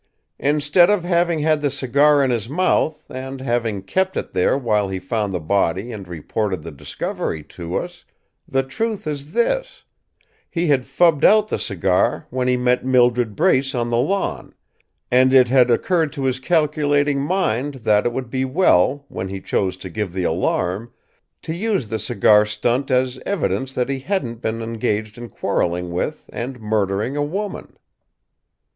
Instead of having had the cigar in his mouth and having kept it there while he found the body and reported the discovery to us, the truth is this: he had fubbed out the cigar when he met Mildred Brace on the lawn, and it had occurred to his calculating mind that it would be well, when he chose to give the alarm, to use the cigar stunt as evidence that he hadn't been engaged in quarrelling with and murdering a woman.